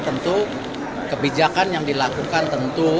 tentu kebijakan yang dilakukan tentu